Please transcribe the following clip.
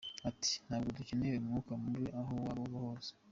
Ati "Ntabwo dukeneye umwuka mubi aho waba uva hose.